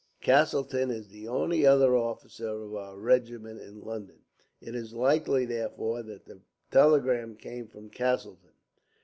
Castleton is the only other officer of our regiment in London. It is likely, therefore, that the telegram came from Castleton.